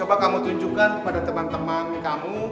coba kamu tunjukkan kepada teman teman kamu